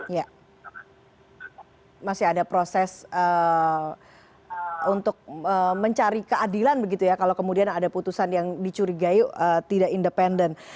ya masih ada proses untuk mencari keadilan begitu ya kalau kemudian ada putusan yang dicurigai tidak independen